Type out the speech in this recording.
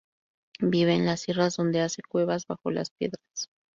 Vive en las sierras, donde hace cuevas bajo las piedras.